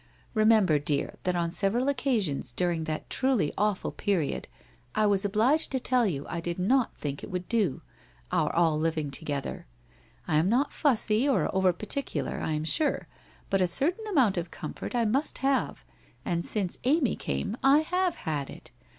Remem ber, dear, that on several occasions during thai truly awful period I was obliged to tell you I did not think it would do — our all living together. I am not fussy or over par ticular, I am sure, but a certain amount of comfort I must have, and since Amy came, I have had it.